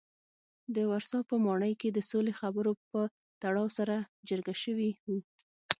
د ورسا په ماڼۍ کې د سولې خبرو په تړاو سره جرګه شوي وو.